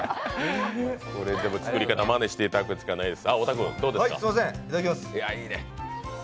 作り方、まねしていただくしかないです。